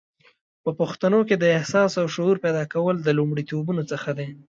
په پښتنو کې د احساس او شعور پیدا کول د لومړیتوبونو څخه دی